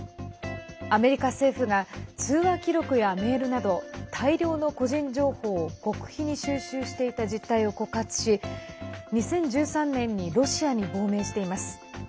アメリカ政府が通話記録やメールなど大量の個人情報を極秘に収集していた実態を告発し２０１３年にロシアに亡命しています。